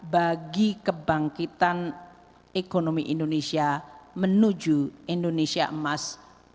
bagi kebangkitan ekonomi indonesia menuju indonesia emas dua ribu empat puluh